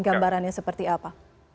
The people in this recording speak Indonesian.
gambarannya seperti apa